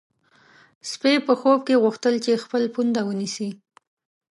سپی په خوب کې غوښتل چې خپل پونده ونیسي.